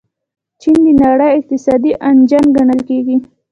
چین د نړۍ اقتصادي انجن ګڼل کیږي.